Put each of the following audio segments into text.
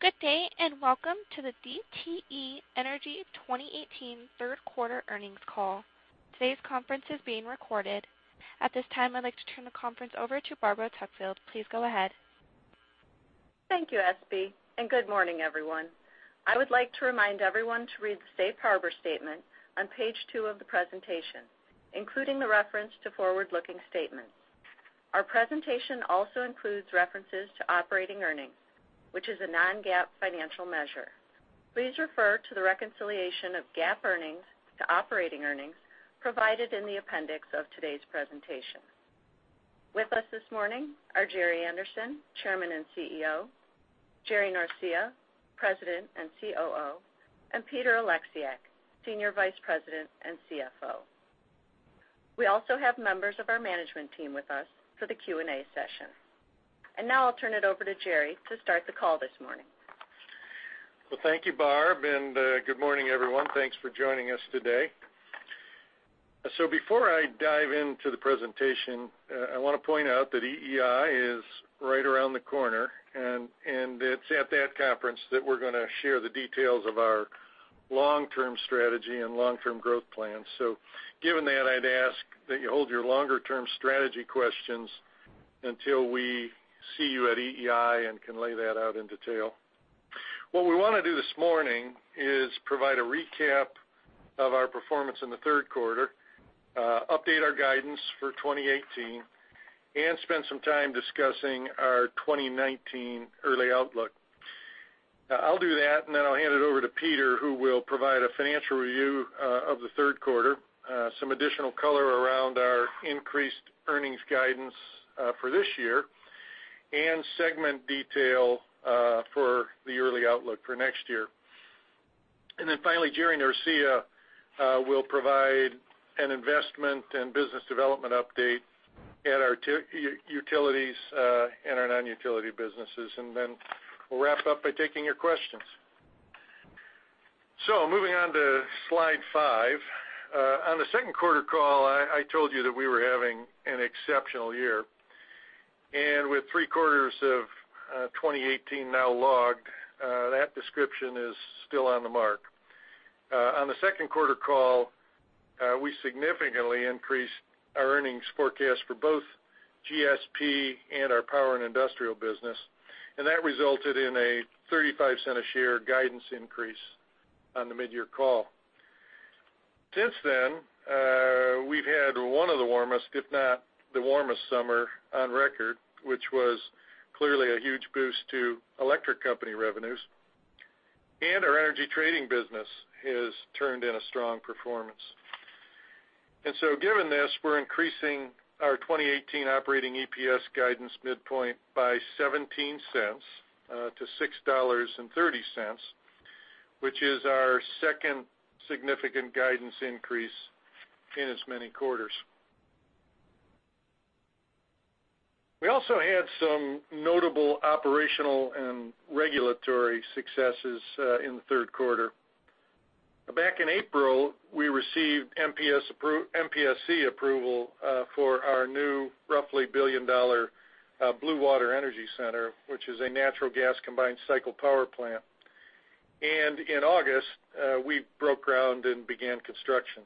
Good day, welcome to the DTE Energy 2018 third quarter earnings call. Today's conference is being recorded. At this time, I'd like to turn the conference over to Barbara Tuckfield. Please go ahead. Thank you, Espie, good morning, everyone. I would like to remind everyone to read the safe harbor statement on page two of the presentation, including the reference to forward-looking statements. Our presentation also includes references to operating earnings, which is a non-GAAP financial measure. Please refer to the reconciliation of GAAP earnings to operating earnings provided in the appendix of today's presentation. With us this morning are Gerard Anderson, Chairman and CEO, Gerardo Norcia, President and COO, and Peter Oleksiak, Senior Vice President and CFO. We also have members of our management team with us for the Q&A session. Now I'll turn it over to Gerry to start the call this morning. Well, thank you, Barb, good morning, everyone. Thanks for joining us today. Before I dive into the presentation, I want to point out that EEI is right around the corner, and it's at that conference that we're going to share the details of our long-term strategy and long-term growth plan. Given that, I'd ask that you hold your longer-term strategy questions until we see you at EEI and can lay that out in detail. What we want to do this morning is provide a recap of our performance in the third quarter, update our guidance for 2018, and spend some time discussing our 2019 early outlook. I'll do that, then I'll hand it over to Peter, who will provide a financial review of the third quarter, some additional color around our increased earnings guidance for this year, and segment detail for the early outlook for next year. Then finally, Gerardo Norcia will provide an investment and business development update at our utilities and our non-utility businesses. Then we'll wrap up by taking your questions. Moving on to slide five. On the second quarter call, I told you that we were having an exceptional year. With three quarters of 2018 now logged, that description is still on the mark. On the second quarter call, we significantly increased our earnings forecast for both GSP and our power and industrial business, and that resulted in a $0.35 a share guidance increase on the mid-year call. Since then, we've had one of the warmest, if not the warmest summer on record, which was clearly a huge boost to electric company revenues. Our energy trading business has turned in a strong performance. Given this, we're increasing our 2018 operating EPS guidance midpoint by $0.17 to $6.30, which is our second significant guidance increase in as many quarters. We also had some notable operational and regulatory successes in the third quarter. Back in April, we received MPSC approval for our new roughly billion-dollar Blue Water Energy Center, which is a natural gas combined cycle power plant. In August, we broke ground and began construction.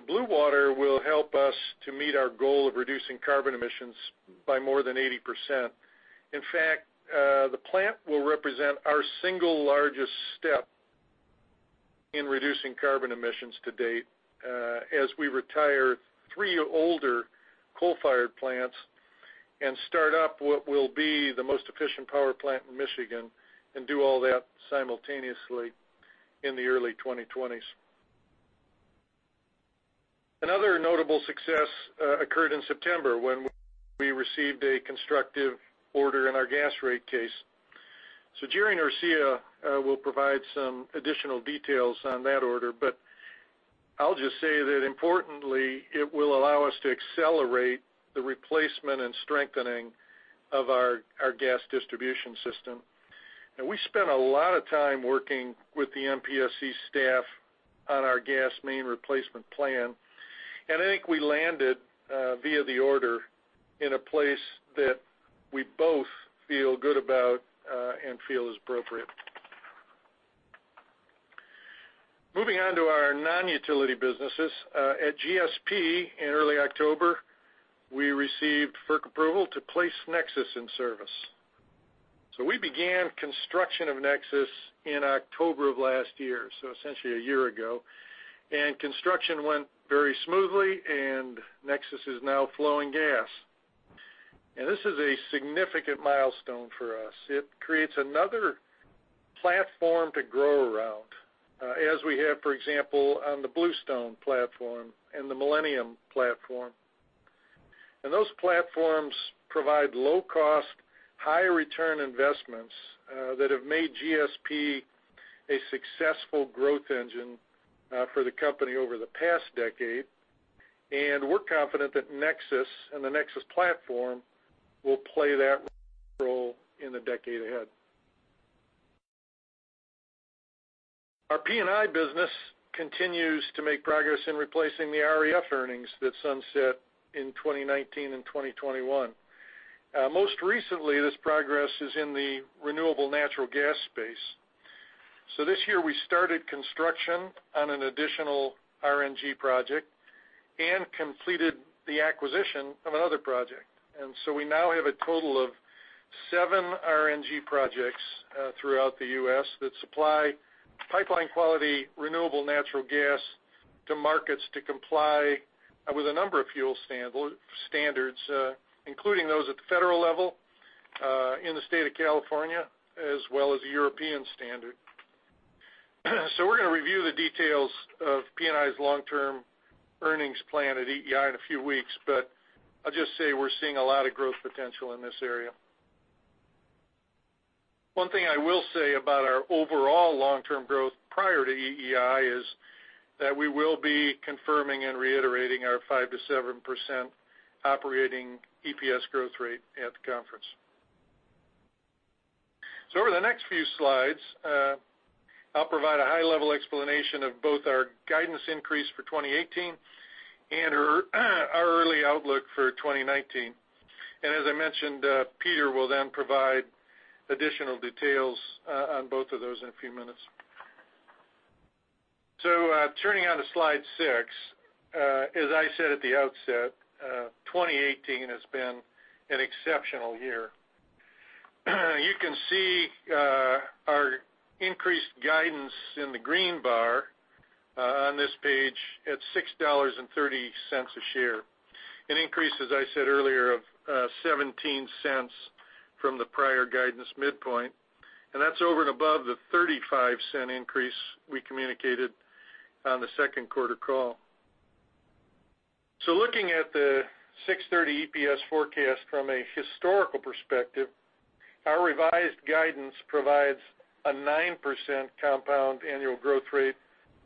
The Blue Water will help us to meet our goal of reducing carbon emissions by more than 80%. In fact, the plant will represent our single largest step in reducing carbon emissions to date as we retire three older coal-fired plants and start up what will be the most efficient power plant in Michigan and do all that simultaneously in the early 2020s. Another notable success occurred in September when we received a constructive order in our gas rate case. Gerardo Norcia will provide some additional details on that order, but I'll just say that importantly, it will allow us to accelerate the replacement and strengthening of our gas distribution system. We spent a lot of time working with the MPSC staff on our gas main replacement plan. I think we landed, via the order, in a place that we both feel good about and feel is appropriate. Moving on to our non-utility businesses. At GSP in early October, we received FERC approval to place NEXUS in service. We began construction of NEXUS in October of last year, so essentially a year ago, construction went very smoothly, NEXUS is now flowing gas. This is a significant milestone for us. It creates another platform to grow around as we have, for example, on the Bluestone platform and the Millennium platform. Those platforms provide low-cost, high-return investments that have made GSP a successful growth engine for the company over the past decade. We're confident that NEXUS and the NEXUS platform will play that role in the decade ahead. Our P&I business continues to make progress in replacing the REF earnings that sunset in 2019 and 2021. Most recently, this progress is in the renewable natural gas space. This year, we started construction on an additional RNG project and completed the acquisition of another project. We now have a total of seven RNG projects throughout the U.S. that supply pipeline-quality, renewable natural gas to markets to comply with a number of fuel standards, including those at the federal level, in the state of California, as well as a European standard. We're going to review the details of P&I's long-term earnings plan at EEI in a few weeks, but I'll just say we're seeing a lot of growth potential in this area. One thing I will say about our overall long-term growth prior to EEI is that we will be confirming and reiterating our 5%-7% operating EPS growth rate at the conference. Over the next few slides, I'll provide a high-level explanation of both our guidance increase for 2018 and our early outlook for 2019. As I mentioned, Peter will then provide additional details on both of those in a few minutes. Turning on to slide six, as I said at the outset, 2018 has been an exceptional year. You can see our increased guidance in the green bar on this page at $6.30 a share, an increase, as I said earlier, of $0.17 from the prior guidance midpoint. That's over and above the $0.35 increase we communicated on the second quarter call. Looking at the $6.30 EPS forecast from a historical perspective, our revised guidance provides a 9% compound annual growth rate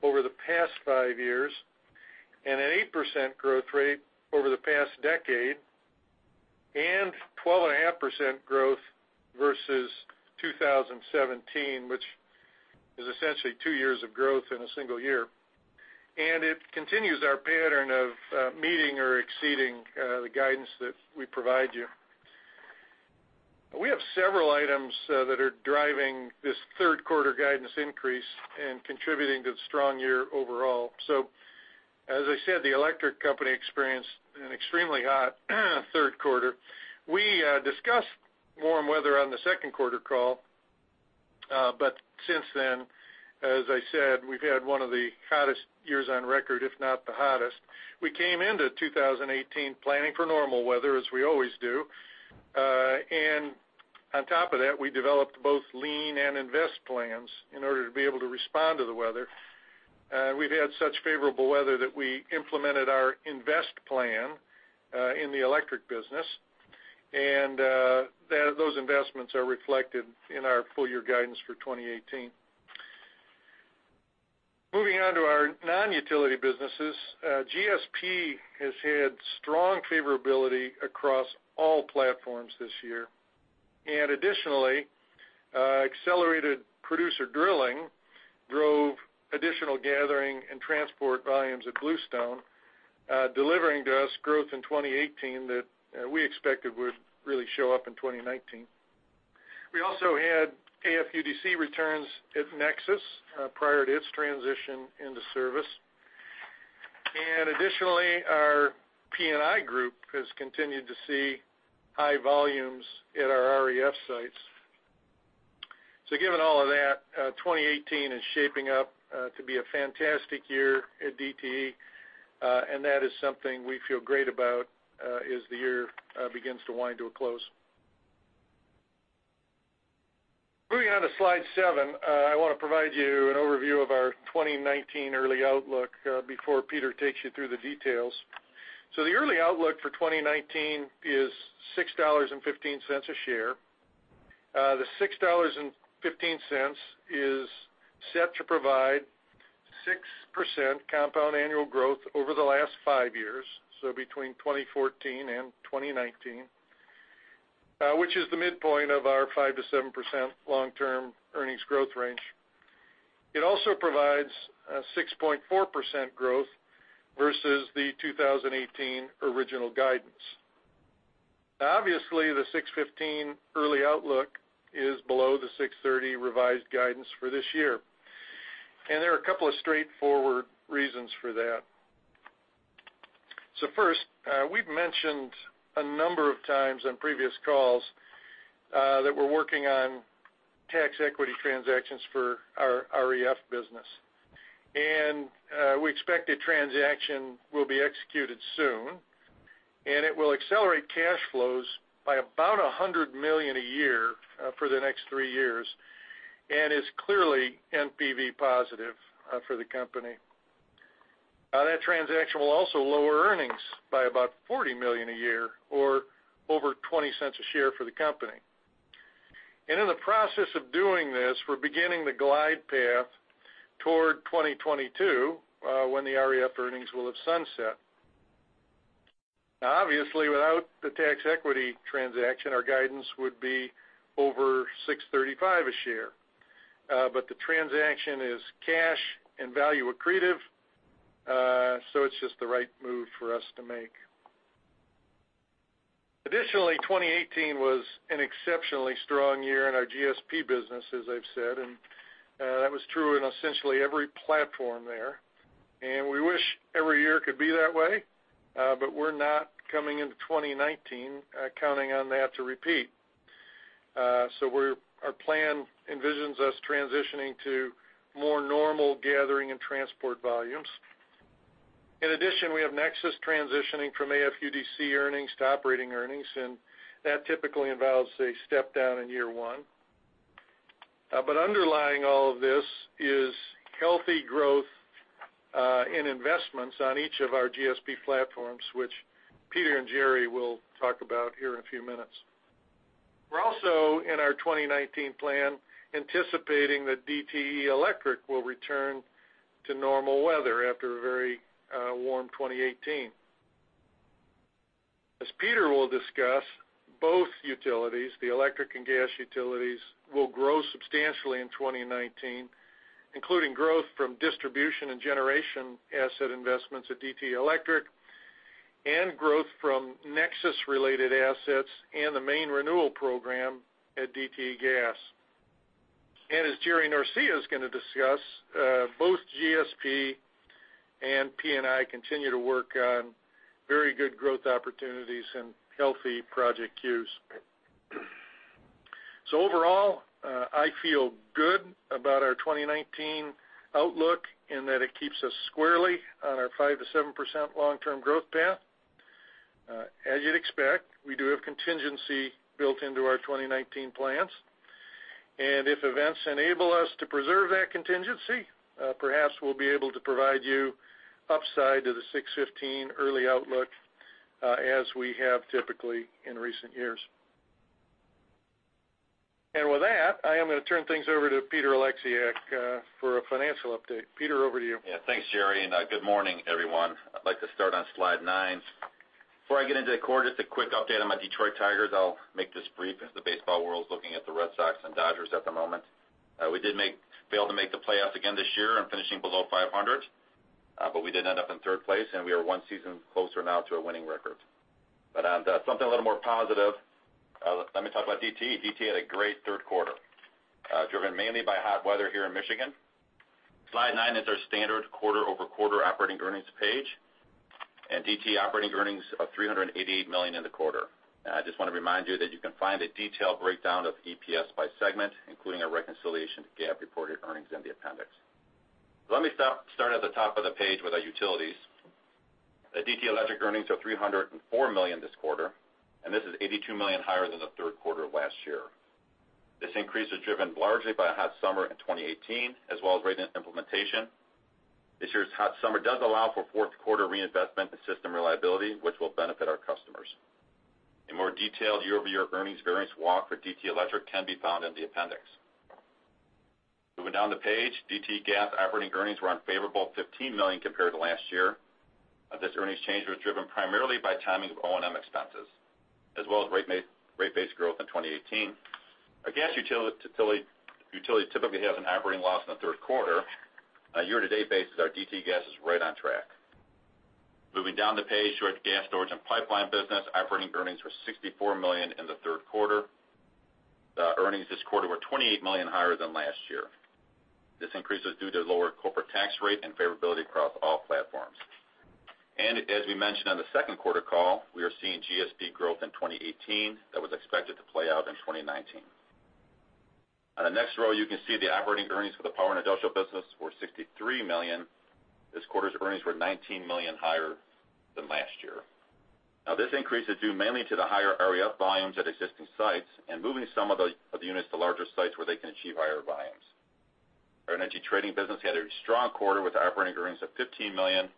over the past five years and an 8% growth rate over the past decade and 12.5% growth versus 2017, which is essentially two years of growth in a single year. It continues our pattern of meeting or exceeding the guidance that we provide you. We have several items that are driving this third quarter guidance increase and contributing to the strong year overall. As I said, the Electric Company experienced an extremely hot third quarter. We discussed warm weather on the second quarter call. But since then, as I said, we've had one of the hottest years on record, if not the hottest. We came into 2018 planning for normal weather, as we always do. On top of that, we developed both lean and invest plans in order to be able to respond to the weather. We've had such favorable weather that we implemented our invest plan in the Electric business, and those investments are reflected in our full-year guidance for 2018. Moving on to our non-utility businesses. GSP has had strong favorability across all platforms this year. Additionally, accelerated producer drilling drove additional gathering and transport volumes at Bluestone, delivering to us growth in 2018 that we expected would really show up in 2019. We also had AFUDC returns at Nexus prior to its transition into service. Additionally, our P&I group has continued to see high volumes at our REF sites. Given all of that, 2018 is shaping up to be a fantastic year at DTE, that is something we feel great about as the year begins to wind to a close. Moving on to slide seven, I want to provide you an overview of our 2019 early outlook before Peter takes you through the details. The early outlook for 2019 is $6.15 a share. The $6.15 is set to provide 6% compound annual growth over the last five years, so between 2014 and 2019, which is the midpoint of our 5%-7% long-term earnings growth range. It also provides a 6.4% growth versus the 2018 original guidance. Obviously, the $6.15 early outlook is below the $6.30 revised guidance for this year. There are a couple of straightforward reasons for that. First, we've mentioned a number of times on previous calls that we're working on tax equity transactions for our REF business. We expect a transaction will be executed soon, and it will accelerate cash flows by about $100 million a year for the next three years and is clearly NPV positive for the company. That transaction will also lower earnings by about $40 million a year or over $0.20 a share for the company. In the process of doing this, we're beginning the glide path toward 2022, when the REF earnings will have sunset. Now obviously, without the tax equity transaction, our guidance would be over $6.35 a share. The transaction is cash and value accretive, so it's just the right move for us to make. Additionally, 2018 was an exceptionally strong year in our GSP business, as I've said, and that was true in essentially every platform there, and we wish every year could be that way, but we're not coming into 2019 counting on that to repeat. Our plan envisions us transitioning to more normal gathering and transport volumes. In addition, we have NEXUS transitioning from AFUDC earnings to operating earnings, and that typically involves a step-down in year one. Underlying all of this is healthy growth in investments on each of our GSP platforms, which Peter and Gerry will talk about here in a few minutes. We're also, in our 2019 plan, anticipating that DTE Electric will return to normal weather after a very warm 2018. As Peter will discuss, both utilities, the electric and gas utilities, will grow substantially in 2019, including growth from distribution and generation asset investments at DTE Electric and growth from NEXUS-related assets and the main renewal program at DTE Gas. As Gerry Norcia is going to discuss, both GSP and P&I continue to work on very good growth opportunities and healthy project queues. Overall, I feel good about our 2019 outlook in that it keeps us squarely on our 5%-7% long-term growth path. As you'd expect, we do have contingency built into our 2019 plans, and if events enable us to preserve that contingency, perhaps we'll be able to provide you upside to the $6.15 early outlook as we have typically in recent years. With that, I am going to turn things over to Peter Oleksiak for a financial update. Peter, over to you. Thanks, Gerry, and good morning, everyone. I'd like to start on slide nine. Before I get into the core, just a quick update on my Detroit Tigers. I'll make this brief as the baseball world's looking at the Red Sox and Dodgers at the moment. We did fail to make the playoffs again this year and finishing below 500, but we did end up in third place, and we are one season closer now to a winning record. On something a little more positive, let me talk about DTE. DTE had a great third quarter, driven mainly by hot weather here in Michigan. Slide nine is our standard quarter-over-quarter operating earnings page, and DTE operating earnings of $388 million in the quarter. I just want to remind you that you can find a detailed breakdown of EPS by segment, including a reconciliation to GAAP-reported earnings in the appendix. Let me start at the top of the page with our utilities. The DTE Electric earnings are $304 million this quarter, and this is $82 million higher than the third quarter of last year. This increase is driven largely by a hot summer in 2018, as well as rate implementation. This year's hot summer does allow for fourth quarter reinvestment in system reliability, which will benefit our customers. A more detailed year-over-year earnings variance walk for DTE Electric can be found in the appendix. Moving down the page, DTE Gas operating earnings were unfavorable, $15 million compared to last year. This earnings change was driven primarily by timing of O&M expenses as well as rate-based growth in 2018. Our gas utility typically has an operating loss in the third quarter. On a year-to-date basis, our DTE Gas is right on track. Moving down the page to our gas storage and pipeline business, operating earnings were $64 million in the third quarter. The earnings this quarter were $28 million higher than last year. This increase was due to lower corporate tax rate and favorability across all platforms. As we mentioned on the second quarter call, we are seeing GSP growth in 2018 that was expected to play out in 2019. On the next row, you can see the operating earnings for the Power and Industrial business were $63 million. This quarter's earnings were $19 million higher than last year. This increase is due mainly to the higher REF volumes at existing sites and moving some of the units to larger sites where they can achieve higher volumes. Our energy trading business had a strong quarter with operating earnings of $15 million.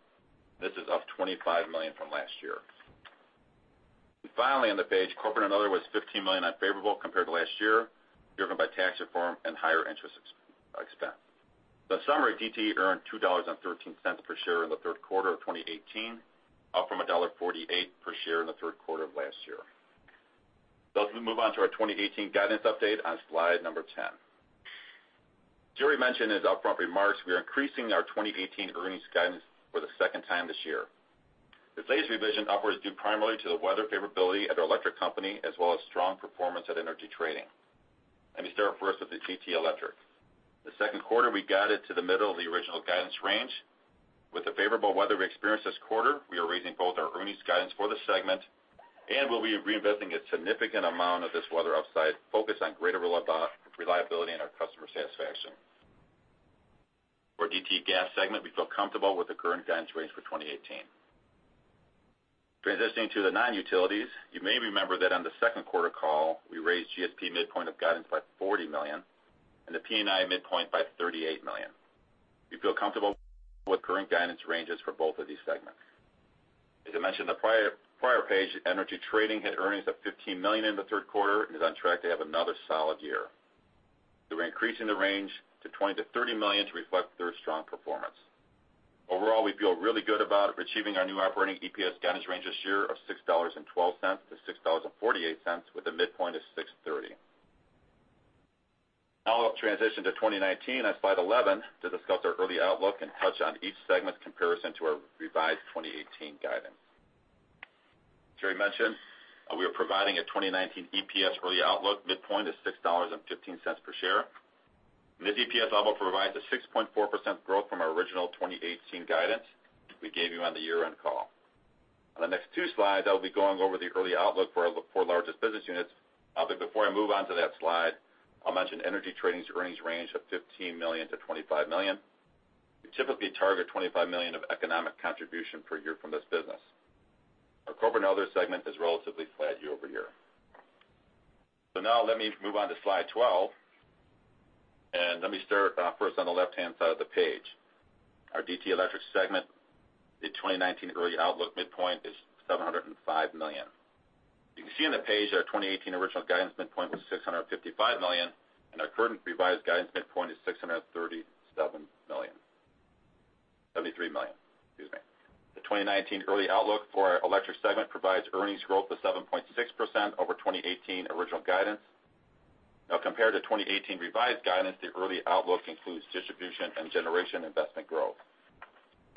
This is up $25 million from last year. Finally, on the page, corporate and other was $15 million unfavorable compared to last year, driven by tax reform and higher interest expense. In summary, DTE earned $2.13 per share in the third quarter of 2018, up from $1.48 per share in the third quarter of last year. As we move on to our 2018 guidance update on slide number 10. Gerry mentioned in his upfront remarks, we are increasing our 2018 earnings guidance for the second time this year. This latest revision upwards due primarily to the weather favorability at our Electric Company, as well as strong performance at energy trading. Let me start first with the DTE Electric. The second quarter, we guided to the middle of the original guidance range. With the favorable weather we experienced this quarter, we are raising both our earnings guidance for the segment, and we'll be reinvesting a significant amount of this weather upside focused on greater reliability and our customer satisfaction. For DTE Gas segment, we feel comfortable with the current guidance range for 2018. Transitioning to the non-utilities, you may remember that on the second quarter call, we raised GSP midpoint of guidance by $40 million and the P&I midpoint by $38 million. We feel comfortable with current guidance ranges for both of these segments. As I mentioned on the prior page, energy trading hit earnings of $15 million in the third quarter and is on track to have another solid year. We're increasing the range to $20 million-$30 million to reflect their strong performance. Overall, we feel really good about achieving our new operating EPS guidance range this year of $6.12 to $6.48, with a midpoint of $6.30. I will transition to 2019 on slide 11 to discuss our early outlook and touch on each segment's comparison to our revised 2018 guidance. Gerry mentioned we are providing a 2019 EPS early outlook midpoint of $6.15 per share. This EPS outlook provides a 6.4% growth from our original 2018 guidance we gave you on the year-end call. On the next two slides, I will be going over the early outlook for our four largest business units. Before I move on to that slide, I will mention energy trading's earnings range of $15 million to $25 million. We typically target $25 million of economic contribution per year from this business. Our corporate other segment is relatively flat year-over-year. Let me move on to slide 12, and let me start first on the left-hand side of the page. Our DTE Electric segment, the 2019 early outlook midpoint is $705 million. You can see on the page, our 2018 original guidance midpoint was $655 million, and our current revised guidance midpoint is $673 million. The 2019 early outlook for our electric segment provides earnings growth of 7.6% over 2018 original guidance. Compared to 2018 revised guidance, the early outlook includes distribution and generation investment growth.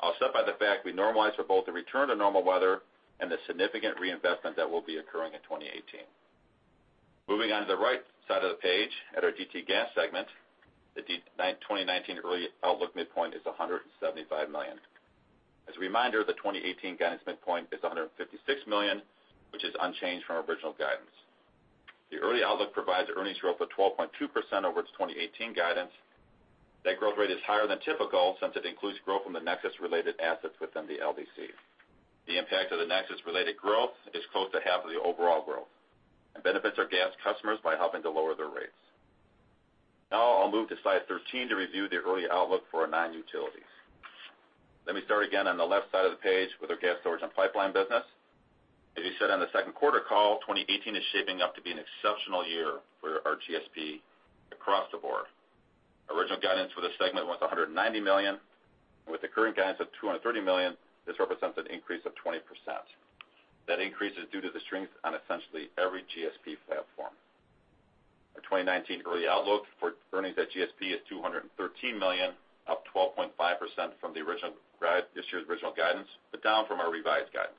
I will start by the fact we normalized for both the return to normal weather and the significant reinvestment that will be occurring in 2018. Moving on to the right side of the page at our DTE Gas segment, the 2019 early outlook midpoint is $175 million. As a reminder, the 2018 guidance midpoint is $156 million, which is unchanged from our original guidance. The early outlook provides earnings growth of 12.2% over its 2018 guidance. That growth rate is higher than typical, since it includes growth from the Nexus-related assets within the LDC. The impact of the Nexus-related growth is close to half of the overall growth and benefits our gas customers by helping to lower their rates. I will move to slide 13 to review the early outlook for our non-utilities. Let me start again on the left side of the page with our gas storage and pipeline business. As we said on the second quarter call, 2018 is shaping up to be an exceptional year for our GSP across the board. Original guidance for this segment was $190 million. With the current guidance of $230 million, this represents an increase of 20%. That increase is due to the strength on essentially every GSP platform. Our 2019 early outlook for earnings at GSP is $213 million, up 12.5% from this year's original guidance, but down from our revised guidance.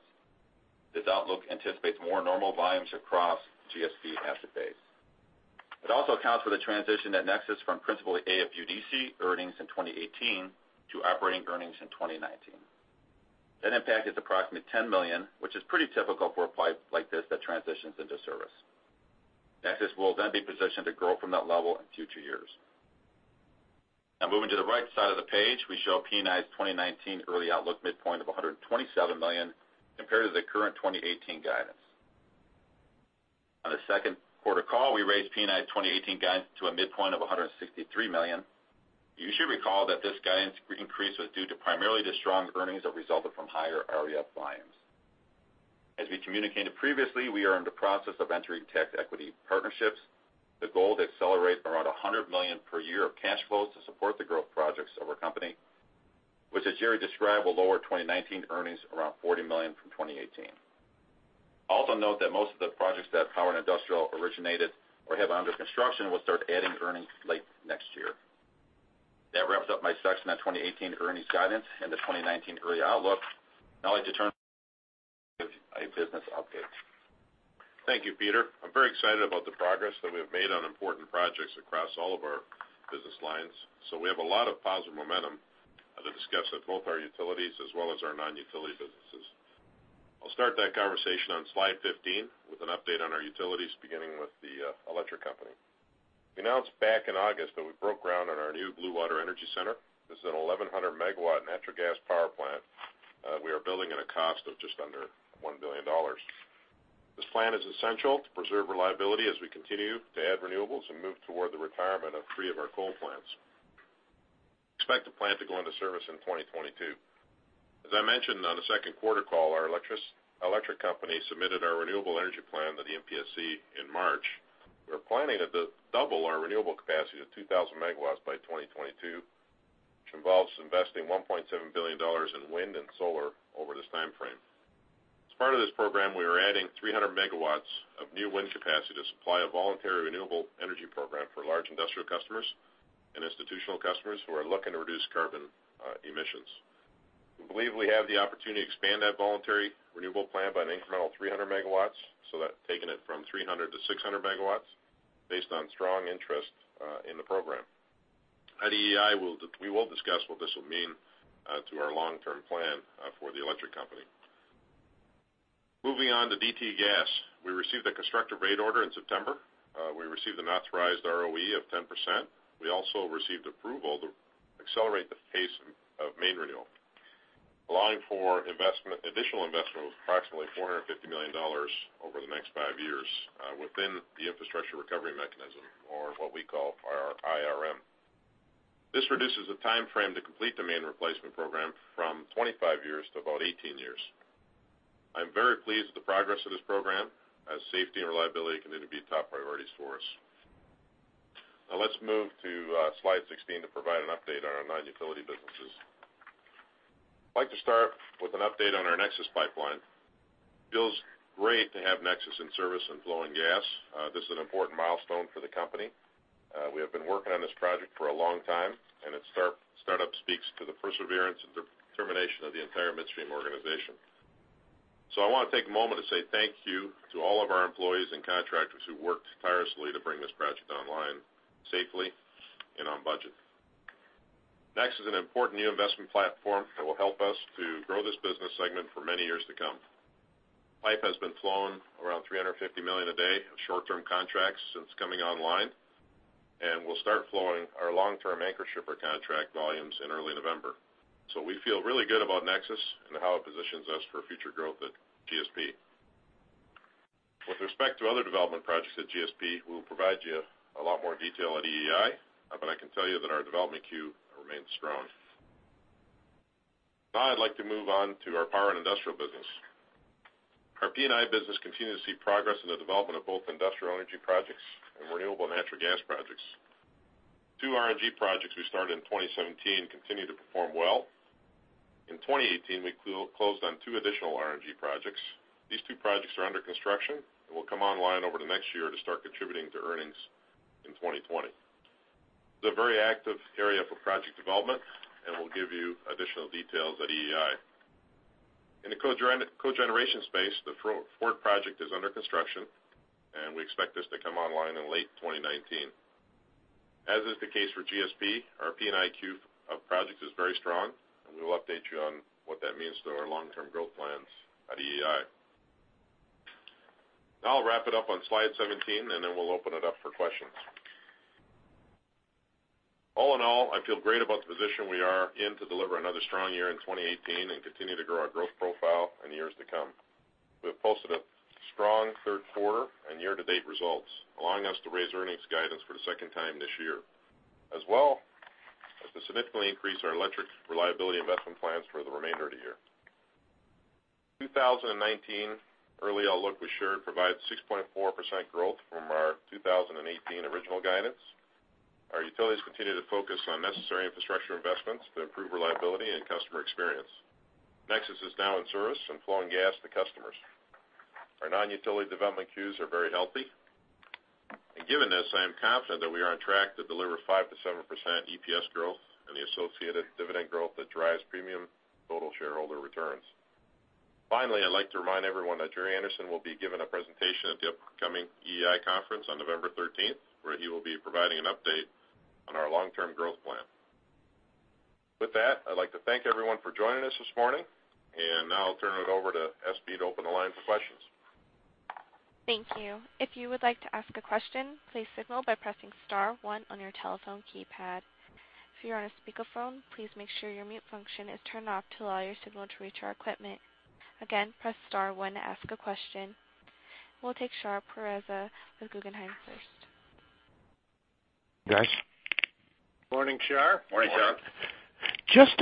This outlook anticipates more normal volumes across GSP asset base. It also accounts for the transition at Nexus from Principal A of AFUDC earnings in 2018 to operating earnings in 2019. That impact is approximately $10 million, which is pretty typical for a pipe like this that transitions into service. Nexus will then be positioned to grow from that level in future years. Moving to the right side of the page, we show P&I's 2019 early outlook midpoint of $127 million compared to the current 2018 guidance. On the second quarter call, we raised P&I's 2018 guidance to a midpoint of $163 million. You should recall that this guidance increase was due to primarily the strong earnings that resulted from higher RF volumes. As we communicated previously, we are in the process of entering tech equity partnerships. The goal to accelerate around $100 million per year of cash flows to support the growth projects of our company, which as Gerry described, will lower 2019 earnings around $40 million from 2018. Also note that most of the projects that power and industrial originated or have under construction will start adding earnings late next year. That wraps up my section on 2018 earnings guidance and the 2019 early outlook. Now I'll let you turn a business update. Thank you, Peter. I'm very excited about the progress that we have made on important projects across all of our business lines. We have a lot of positive momentum to discuss at both our utilities as well as our non-utility businesses. I'll start that conversation on slide 15 with an update on our utilities, beginning with the electric company. We announced back in August that we broke ground on our new Blue Water Energy Center. This is an 1,100-megawatt natural gas power plant we are building at a cost of just under $1 billion. This plant is essential to preserve reliability as we continue to add renewables and move toward the retirement of three of our coal plants. Expect the plant to go into service in 2022. As I mentioned on the second quarter call, our electric company submitted our renewable energy plan to the MPSC in March. We're planning to double our renewable capacity to 2,000 megawatts by 2022, which involves investing $1.7 billion in wind and solar over this timeframe. As part of this program, we are adding 300 megawatts of new wind capacity to supply a voluntary renewable energy program for large industrial customers and institutional customers who are looking to reduce carbon emissions. We believe we have the opportunity to expand that voluntary renewable plan by an incremental 300 megawatts, so that taking it from 300-600 megawatts based on strong interest in the program. At EEI, we will discuss what this will mean to our long-term plan for the electric company. Moving on to DTE Gas, we received a constructive rate order in September. We received an authorized ROE of 10%. We also received approval to accelerate the pace of main renewal, allowing for additional investment of approximately $450 million over the next five years within the Infrastructure Recovery Mechanism, or what we call our IRM. This reduces the timeframe to complete the main replacement program from 25 years to about 18 years. I'm very pleased with the progress of this program, as safety and reliability continue to be top priorities for us. Let's move to slide 16 to provide an update on our non-utility businesses. I'd like to start with an update on our NEXUS Pipeline. Feels great to have NEXUS in service and flowing gas. This is an important milestone for the company. We have been working on this project for a long time, and its startup speaks to the perseverance and determination of the entire midstream organization. I want to take a moment to say thank you to all of our employees and contractors who worked tirelessly to bring this project online safely and on budget. Nexus is an important new investment platform that will help us to grow this business segment for many years to come. Pipe has been flowing around $350 million a day of short-term contracts since coming online, and we'll start flowing our long-term anchor shipper contract volumes in early November. We feel really good about Nexus and how it positions us for future growth at GSP. With respect to other development projects at GSP, we'll provide you a lot more detail at EEI, but I can tell you that our development queue remains strong. I'd like to move on to our Power and Industrial business. Our P&I business continued to see progress in the development of both industrial energy projects and renewable natural gas projects. Two RNG projects we started in 2017 continue to perform well. In 2018, we closed on two additional RNG projects. These two projects are under construction and will come online over the next year to start contributing to earnings in 2020. This is a very active area for project development, and we'll give you additional details at EEI. In the cogeneration space, the Ford project is under construction, and we expect this to come online in late 2019. As is the case for GSP, our P&I queue of projects is very strong, and we will update you on what that means to our long-term growth plans at EEI. I'll wrap it up on slide 17, and then we'll open it up for questions. All in all, I feel great about the position we are in to deliver another strong year in 2018 and continue to grow our growth profile in the years to come. We have posted a strong third quarter and year-to-date results, allowing us to raise earnings guidance for the second time this year, as well as to significantly increase our electric reliability investment plans for the remainder of the year. 2019 early outlook we shared provides 6.4% growth from our 2018 original guidance. Our utilities continue to focus on necessary infrastructure investments to improve reliability and customer experience. Nexus is now in service and flowing gas to customers. Our non-utility development queues are very healthy. Given this, I am confident that we are on track to deliver 5%-7% EPS growth and the associated dividend growth that drives premium total shareholder returns. Finally, I'd like to remind everyone that Gerard Anderson will be giving a presentation at the upcoming EEI conference on November 13th, where he will be providing an update on our long-term growth plan. I'd like to thank everyone for joining us this morning. Now I'll turn it over to Espie to open the line for questions. Thank you. If you would like to ask a question, please signal by pressing *1 on your telephone keypad. If you're on a speakerphone, please make sure your mute function is turned off to allow your signal to reach our equipment. Again, press *1 to ask a question. We'll take Shar Pourreza with Guggenheim first. Guys. Morning, Shar. Morning. Morning. Just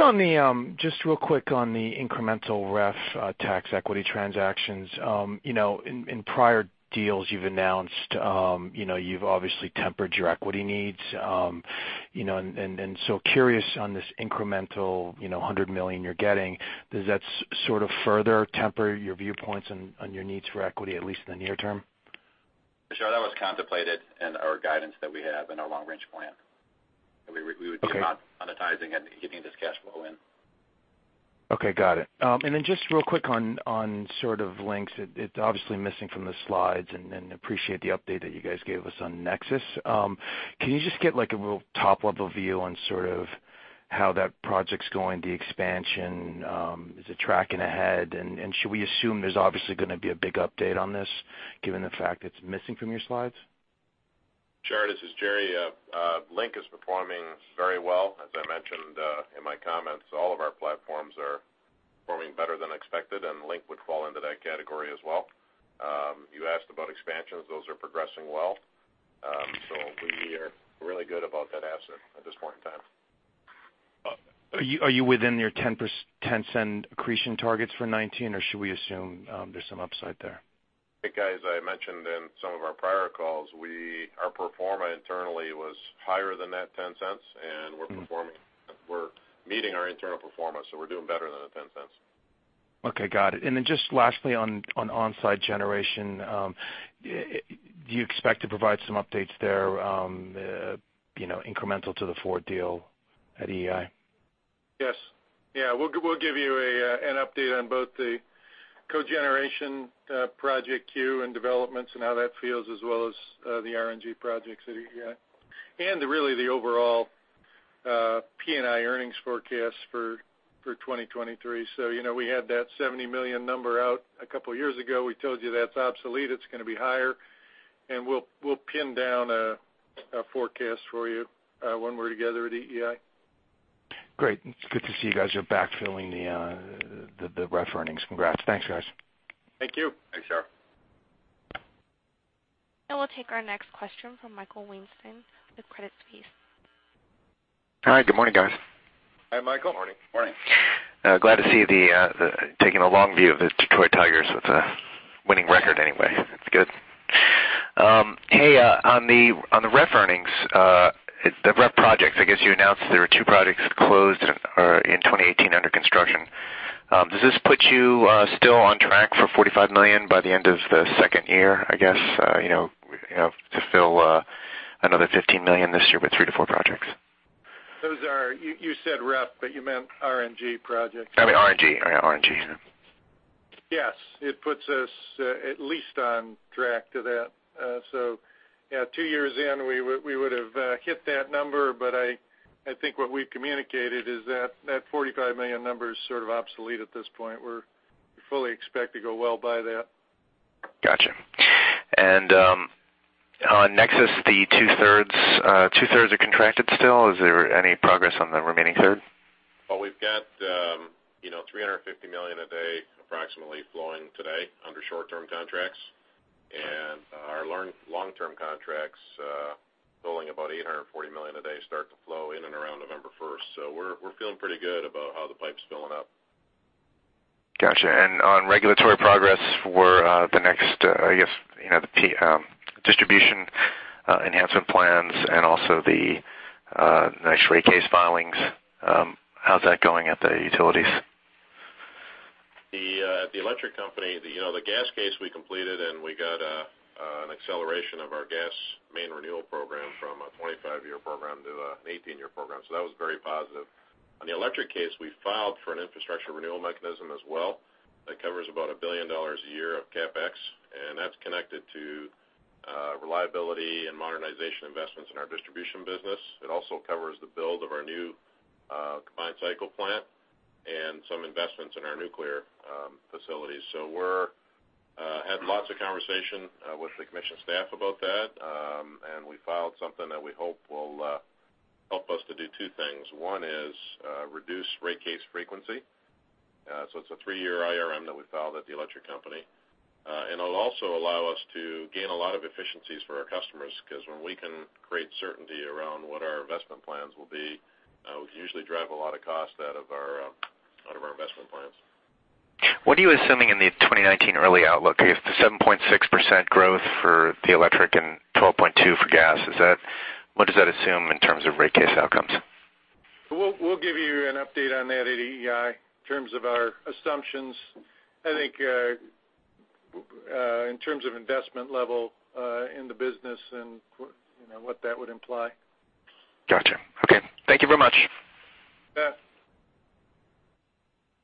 real quick on the incremental REF tax equity transactions. In prior deals you've announced, you've obviously tempered your equity needs. So curious on this incremental $100 million you're getting, does that sort of further temper your viewpoints on your needs for equity, at least in the near term? Shar, that was contemplated in our guidance that we have in our long range plan. Okay. We would be monetizing it, getting this cash flow in. Okay, got it. Then just real quick on sort of Link. It's obviously missing from the slides, appreciate the update that you guys gave us on Nexus. Can you just give a real top-level view on sort of how that project's going, the expansion? Is it tracking ahead? Should we assume there's obviously going to be a big update on this given the fact it's missing from your slides? Shar, this is Gerry. Link is performing very well. As I mentioned in my comments, all of our platforms are performing better than expected, Link would fall into that category as well. You asked about expansions. Those are progressing well. We are really good about that asset at this point in time. Are you within your $0.10 accretion targets for 2019, should we assume there's some upside there? Hey, guys, I mentioned in some of our prior calls, our performance internally was higher than that $0.10, and we're meeting our internal performance. We're doing better than the $0.10. Okay, got it. Just lastly on onsite generation, do you expect to provide some updates there incremental to the Ford deal at EEI? Yes. Yeah, we'll give you an update on both the cogeneration project queue and developments and how that feels as well as the RNG projects that are here, and really the overall P&I earnings forecast for 2023. We had that $70 million number out a couple of years ago. We told you that's obsolete. It's going to be higher, and we'll pin down a forecast for you when we're together at EEI. Great. It's good to see you guys are backfilling the REF earnings. Congrats. Thanks, guys. Thank you. Thanks, Shar. We'll take our next question from Michael Weinstein with Credit Suisse. Hi. Good morning, guys. Hi, Michael. Morning. Morning. Glad to see you taking a long view of the Detroit Tigers with a winning record anyway. That's good. Hey, on the RF earnings, the RF projects, I guess you announced there were two projects that closed in 2018 under construction. Does this put you still on track for $45 million by the end of the second year, I guess, to fill another $15 million this year with three to four projects? You said RF, but you meant RNG projects. I mean RNG. Yeah, RNG. Yes. It puts us at least on track to that. Yeah, two years in, we would've hit that number, but I think what we've communicated is that that $45 million number is sort of obsolete at this point. We fully expect to go well by that. Got you. On Nexus, the two-thirds are contracted still. Is there any progress on the remaining third? Well, we've got $350 million a day approximately flowing today under short-term contracts. Our long-term contracts totaling about $840 million a day start to flow in and around November 1st. We're feeling pretty good about how the pipe's filling up. Got you. On regulatory progress for the next distribution enhancement plans and also the rate case filings, how's that going at the utilities? At the electric company, the gas case we completed and we got an acceleration of our gas main renewal program from a 25-year program to an 18-year program. That was very positive. On the electric case, we filed for an infrastructure renewal mechanism as well. That covers about $1 billion a year of CapEx, and that's connected to reliability and modernization investments in our distribution business. It also covers the build of our new combined cycle plant and some investments in our nuclear facilities. We're having lots of conversation with the commission staff about that. We filed something that we hope will help us to do two things. One is reduce rate case frequency. It's a three-year IRM that we filed at the electric company. It'll also allow us to gain a lot of efficiencies for our customers because when we can create certainty around what our investment plans will be, we can usually drive a lot of cost out of our investment plans. What are you assuming in the 2019 early outlook? If the 7.6% growth for the electric and 12.2% for gas, what does that assume in terms of rate case outcomes? We'll give you an update on that at EEI in terms of our assumptions, I think in terms of investment level in the business and what that would imply. Got you. Okay. Thank you very much. You bet.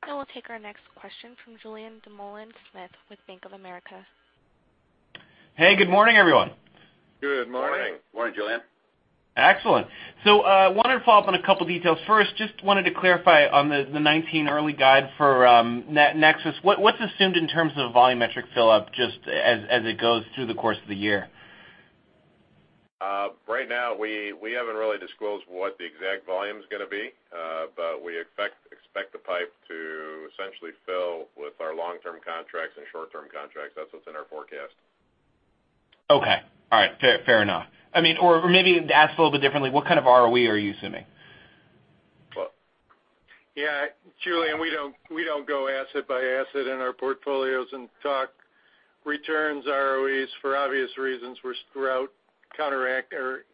We'll take our next question from Julien Dumoulin-Smith with Bank of America. Hey, good morning, everyone. Good morning. Morning. Morning, Julien. Excellent. Wanted to follow up on a couple details. First, just wanted to clarify on the 2019 early guide for Nexus. What's assumed in terms of volumetric fill-up just as it goes through the course of the year? Right now, we haven't really disclosed what the exact volume's going to be. We expect the pipe to essentially fill with our long-term contracts and short-term contracts. That's what's in our forecast. Okay. All right. Fair enough. I mean, or maybe to ask a little bit differently, what kind of ROE are you assuming? Yeah. Julien, we don't go asset by asset in our portfolios and talk returns, ROEs for obvious reasons. We're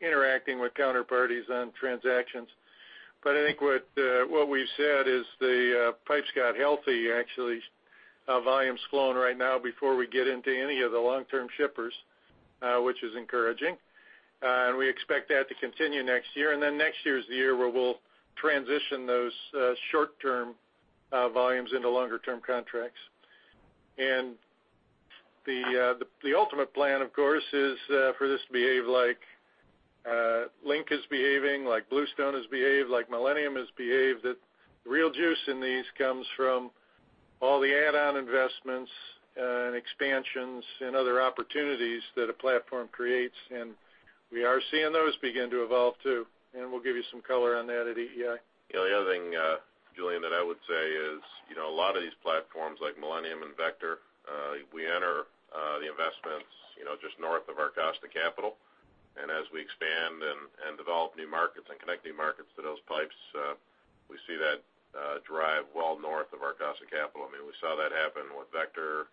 interacting with counterparties on transactions. I think what we've said is the pipe's got healthy, actually. Volume's flowing right now before we get into any of the long-term shippers, which is encouraging. We expect that to continue next year. Next year's the year where we'll transition those short-term volumes into longer-term contracts. The ultimate plan, of course, is for this to behave like Link is behaving, like Bluestone has behaved, like Millennium has behaved. That the real juice in these comes from all the add-on investments and expansions and other opportunities that a platform creates. We are seeing those begin to evolve, too. We'll give you some color on that at EEI. The only other thing, Julien, that I would say is a lot of these platforms like Millennium and Vector, we enter the investments just north of our cost of capital. As we expand and develop new markets and connect new markets to those pipes, we see that drive well north of our cost of capital. I mean, we saw that happen with Vector,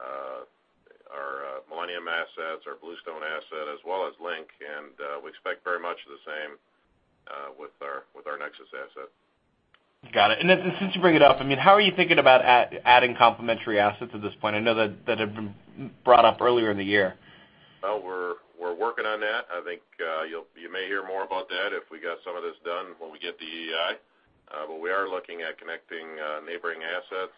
our Millennium assets, our Bluestone asset, as well as Link, we expect very much the same with our NEXUS asset. Got it. Since you bring it up, how are you thinking about adding complementary assets at this point? I know that had been brought up earlier in the year. Well, we're working on that. I think you may hear more about that if we get some of this done when we get to EEI. We are looking at connecting neighboring assets,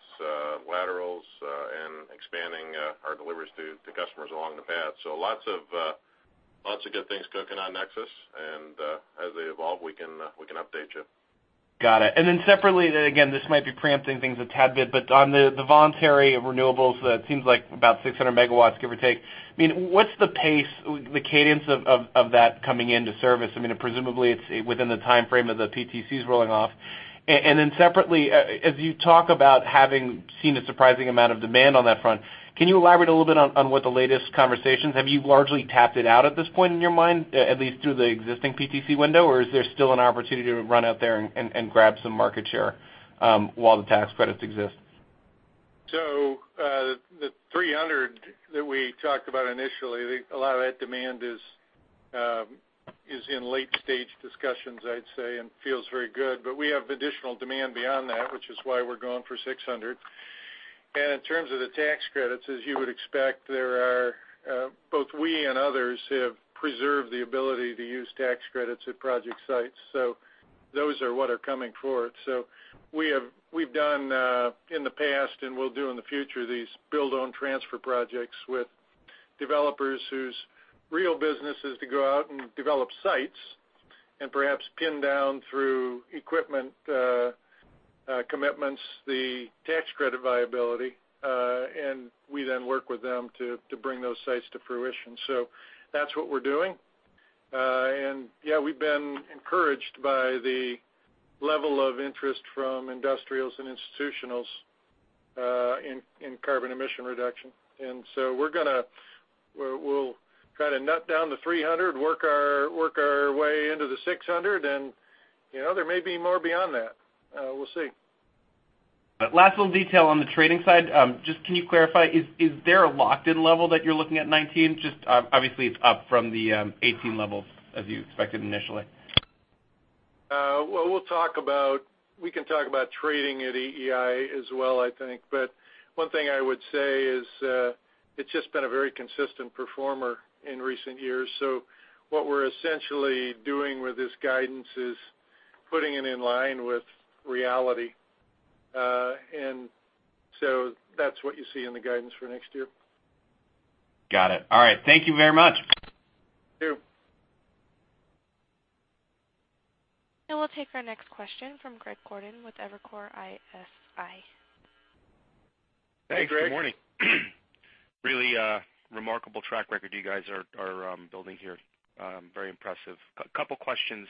laterals, and expanding our deliveries to customers along the path. Lots of good things cooking on NEXUS. As they evolve, we can update you. Got it. Separately, again, this might be preempting things a tad bit, but on the voluntary renewables, that seems like about 600 MW, give or take. I mean, what's the pace? The cadence of that coming into service. Presumably it's within the timeframe of the PTCs rolling off. Separately, as you talk about having seen a surprising amount of demand on that front, can you elaborate a little bit on what the latest conversations? Have you largely tapped it out at this point in your mind, at least through the existing PTC window, or is there still an opportunity to run out there and grab some market share while the tax credits exist? The 300 that we talked about initially, I think a lot of that demand is in late-stage discussions, I'd say, and feels very good. We have additional demand beyond that, which is why we're going for 600. In terms of the tax credits, as you would expect, both we and others have preserved the ability to use tax credits at project sites. Those are what are coming forward. We've done in the past and will do in the future, these build-own-transfer projects with developers whose real business is to go out and develop sites, and perhaps pin down through equipment commitments, the tax credit viability, and we then work with them to bring those sites to fruition. That's what we're doing. Yeah, we've been encouraged by the level of interest from industrials and institutionals in carbon emission reduction. We'll try to nut down the 300, work our way into the 600, and there may be more beyond that. We'll see. Last little detail on the trading side. Just can you clarify, is there a locked-in level that you're looking at in 2019? Obviously, it's up from the 2018 levels as you expected initially. We can talk about trading at EEI as well, I think, but one thing I would say is it's just been a very consistent performer in recent years. What we're essentially doing with this guidance is putting it in line with reality. That's what you see in the guidance for next year. Got it. All right. Thank you very much. Thank you. We'll take our next question from Greg Gordon with Evercore ISI. Hey, Greg. Thanks. Good morning. Really a remarkable track record you guys are building here. Very impressive. A couple questions.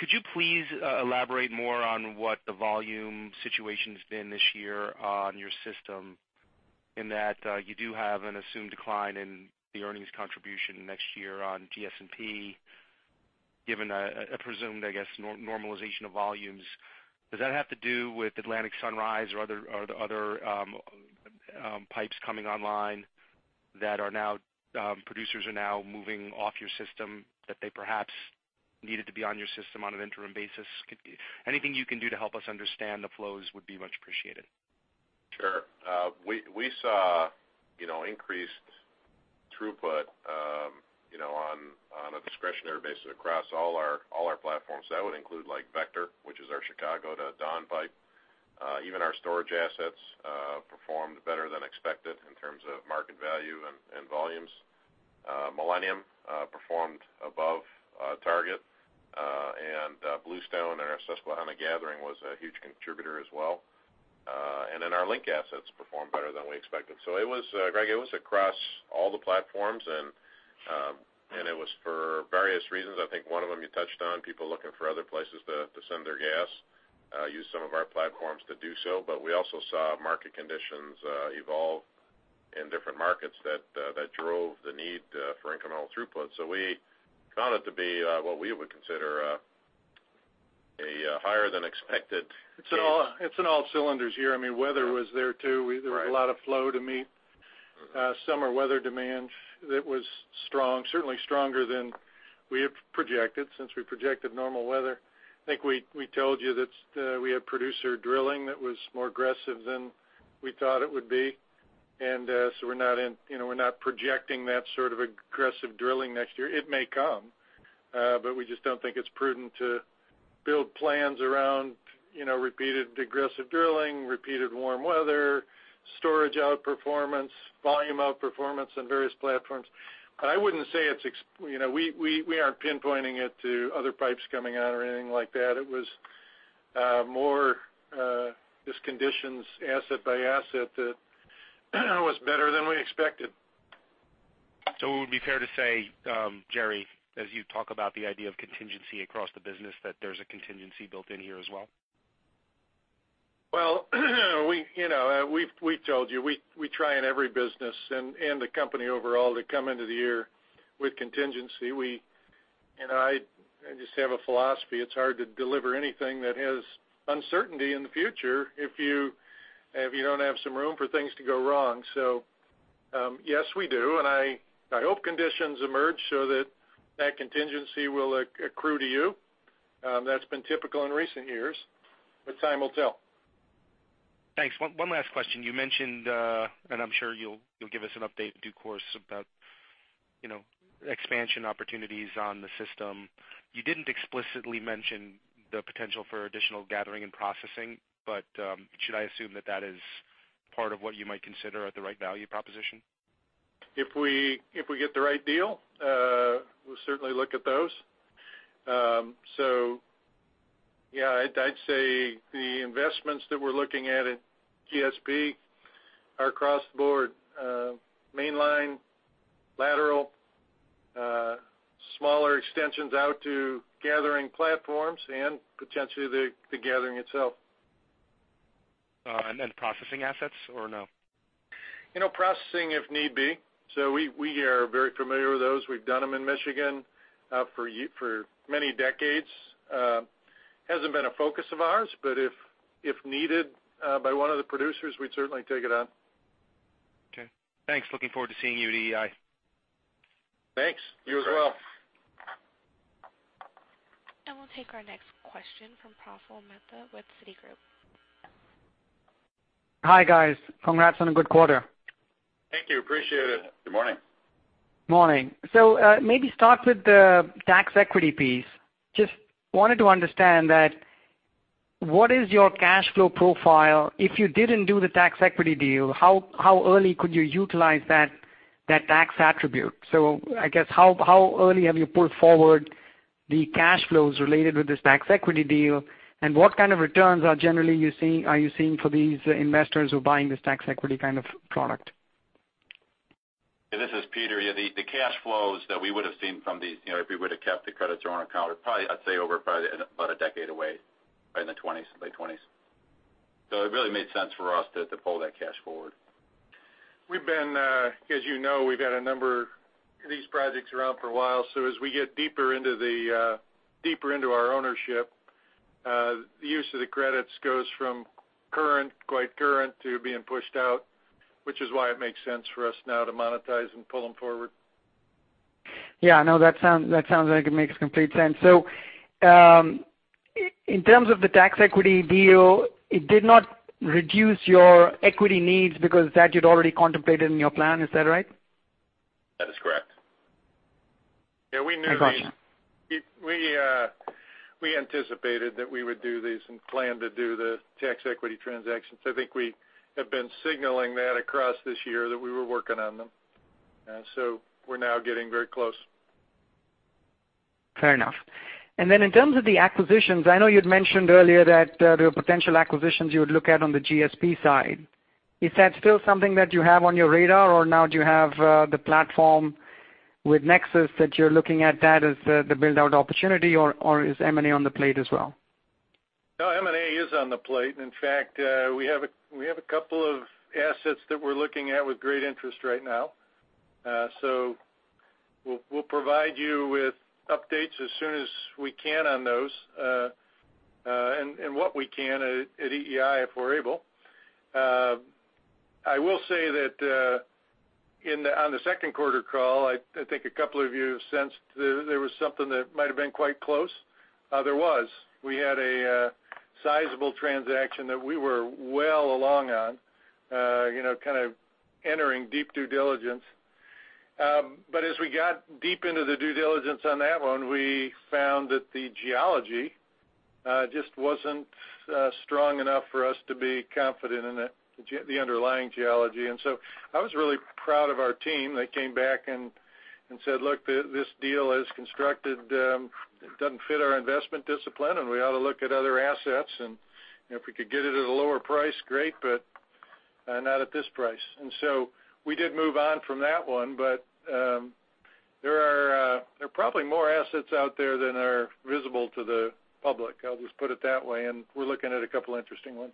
Could you please elaborate more on what the volume situation's been this year on your system in that you do have an assumed decline in the earnings contribution next year on GSP, given a presumed, I guess, normalization of volumes. Does that have to do with Atlantic Sunrise or are there other pipes coming online that producers are now moving off your system that they perhaps needed to be on your system on an interim basis? Anything you can do to help us understand the flows would be much appreciated. Sure. We saw increased throughput on a discretionary basis across all our platforms. That would include Vector, which is our Chicago to Dawn pipe. Even our storage assets performed better than expected in terms of market value and volumes. Millennium performed above target. Bluestone and our Susquehanna Gathering was a huge contributor as well. Our Link assets performed better than we expected. Greg, it was across all the platforms, and it was for various reasons. I think one of them you touched on, people looking for other places to send their gas, used some of our platforms to do so. We also saw market conditions evolve in different markets that drove the need for incremental throughput. We count it to be what we would consider a higher than expected case. It's on all cylinders here. Weather was there, too. Right. There was a lot of flow to meet summer weather demand that was strong, certainly stronger than we have projected since we projected normal weather. I think we told you that we had producer drilling that was more aggressive than we thought it would be. We're not projecting that sort of aggressive drilling next year. It may come, but we just don't think it's prudent to build plans around repeated aggressive drilling, repeated warm weather, storage outperformance, volume outperformance in various platforms. We aren't pinpointing it to other pipes coming out or anything like that. It was more just conditions asset by asset that was better than we expected. would it be fair to say, Gerry, as you talk about the idea of contingency across the business, that there's a contingency built in here as well? we told you, we try in every business and the company overall to come into the year with contingency. I just have a philosophy. It's hard to deliver anything that has uncertainty in the future if you don't have some room for things to go wrong. Yes, we do, and I hope conditions emerge so that that contingency will accrue to you. That's been typical in recent years, but time will tell. Thanks. One last question. You mentioned, and I'm sure you'll give us an update in due course about expansion opportunities on the system. You didn't explicitly mention the potential for additional gathering and processing, but should I assume that that is part of what you might consider at the right value proposition? If we get the right deal, we'll certainly look at those. Yeah, I'd say the investments that we're looking at in GSP are across the board mainline, lateral, smaller extensions out to gathering platforms and potentially the gathering itself. Then processing assets or no? Processing if need be. We are very familiar with those. We've done them in Michigan for many decades. Hasn't been a focus of ours, but if needed by one of the producers, we'd certainly take it on. Okay. Thanks. Looking forward to seeing you at EEI. Thanks. You as well. We'll take our next question from Praful Mehta with Citigroup. Hi, guys. Congrats on a good quarter. Thank you. Appreciate it. Good morning. Morning. Maybe start with the tax equity piece. Just wanted to understand that what is your cash flow profile, if you didn't do the tax equity deal, how early could you utilize that tax attribute? I guess, how early have you pulled forward the cash flows related with this tax equity deal, and what kind of returns are you seeing for these investors who are buying this tax equity kind of product? This is Peter. Yeah, the cash flows that we would have seen from these if we would've kept the credits on our account, probably, I'd say, over about a decade away, probably in the late '20s. It really made sense for us to pull that cash forward. As you know, we've had a number of these projects around for a while. As we get deeper into our ownership, the use of the credits goes from quite current to being pushed out, which is why it makes sense for us now to monetize and pull them forward. Yeah, no, that sounds like it makes complete sense. In terms of the tax equity deal, it did not reduce your equity needs because that you'd already contemplated in your plan. Is that right? That is correct. Yeah, we knew. I got you. We anticipated that we would do these and planned to do the tax equity transactions. I think we have been signaling that across this year that we were working on them. We're now getting very close. Fair enough. In terms of the acquisitions, I know you'd mentioned earlier that there were potential acquisitions you would look at on the GSP side. Is that still something that you have on your radar, or now do you have the platform with NEXUS that you're looking at that as the build-out opportunity, or is M&A on the plate as well? No, M&A is on the plate. In fact, we have a couple of assets that we're looking at with great interest right now. We'll provide you with updates as soon as we can on those, and what we can at EEI if we're able. I will say that on the second quarter call, I think a couple of you sensed there was something that might have been quite close. There was. We had a sizable transaction that we were well along on, kind of entering deep due diligence. As we got deep into the due diligence on that one, we found that the geology just wasn't strong enough for us to be confident in it, the underlying geology. I was really proud of our team. They came back and said, "Look, this deal as constructed doesn't fit our investment discipline, and we ought to look at other assets. If we could get it at a lower price, great, but not at this price." We did move on from that one, but there are probably more assets out there than are visible to the public. I'll just put it that way, and we're looking at a couple interesting ones.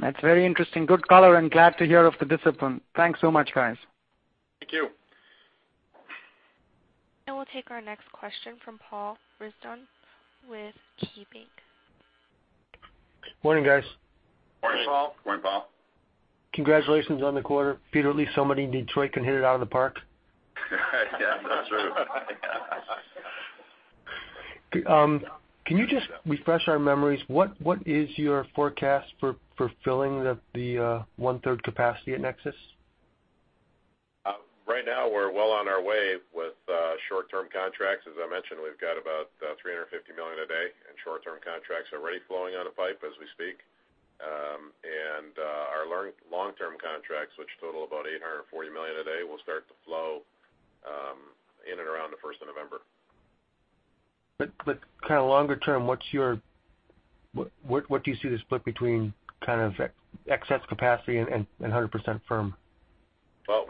That's very interesting. Good color, glad to hear of the discipline. Thanks so much, guys. Thank you. We'll take our next question from Paul Ridzon with KeyBank. Morning, guys. Morning, Paul. Morning, Paul. Congratulations on the quarter. Peter, at least somebody in Detroit can hit it out of the park. Yeah, that's true. Can you just refresh our memories, what is your forecast for filling the one-third capacity at NEXUS? Right now, we're well on our way with short-term contracts. As I mentioned, we've got about $350 million a day in short-term contracts already flowing out of pipe as we speak. Our long-term contracts, which total about $840 million a day, will start to flow in and around the 1st of November. Kind of longer term, what do you see the split between kind of excess capacity and 100% firm? Well,